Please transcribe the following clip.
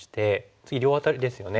次両アタリですよね。